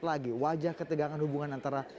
lagi wajah ketegangan hubungan antara